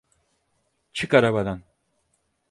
Çık arabadan!